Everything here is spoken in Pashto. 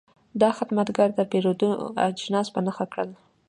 دا خدمتګر د پیرود اجناس په نښه کړل.